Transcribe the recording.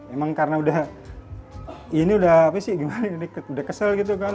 emang karena udah kesel gitu kan